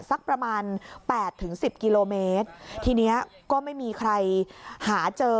สักประมาณ๘๑๐กิโลเมตรทีนี้ก็ไม่มีใครหาเจอ